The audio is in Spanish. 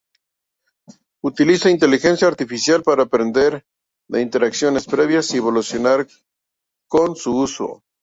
Utiliza Inteligencia Artificial para aprender de interacciones previas y evolucionar con su uso.